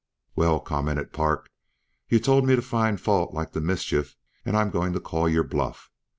"Well," commented Park, "you told me to find fault like the mischief, and I'm going to call your bluff.